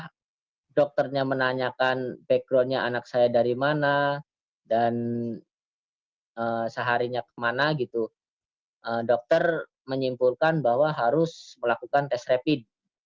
kalau dokternya menanyakan backgroundnya anak saya dari mana dan seharinya kemana gitu dokter menyimpulkan bahwa harus melakukan tes rapid